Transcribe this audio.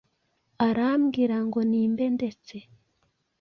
arambwira ngo nimbe ndetse